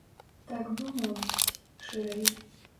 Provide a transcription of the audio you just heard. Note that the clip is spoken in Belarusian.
Так бы мовіць, шырэй.